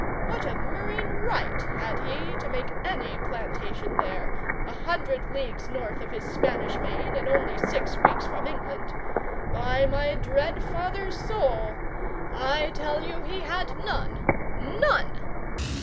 What a murrain right had he to make any plantation there, a hundred leagues north of his Spanish Main, and only six weeks from England? By my dread father's soul, I tell you he had none none!